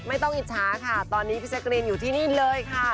อิจฉาค่ะตอนนี้พี่แจ๊กรีนอยู่ที่นี่เลยค่ะ